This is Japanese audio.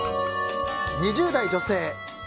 ２０代女性。